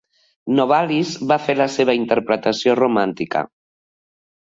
Novalis va fer la seva interpretació romàntica.